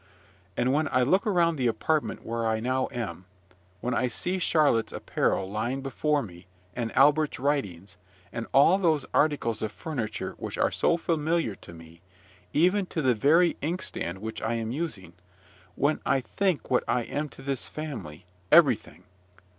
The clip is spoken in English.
And when I look around the apartment where I now am when I see Charlotte's apparel lying before me, and Albert's writings, and all those articles of furniture which are so familiar to me, even to the very inkstand which I am using, when I think what I am to this family everything.